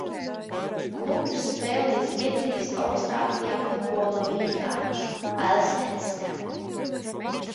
"Klubs spēlē Zviedrijas augstākajā futbola līgā "Allsvenskan"."